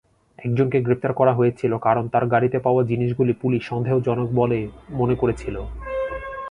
একজনকে গ্রেপ্তার করা হয়েছিল কারণ তার গাড়িতে পাওয়া জিনিসগুলি পুলিশ সন্দেহজনক বলে মনে করেছিল।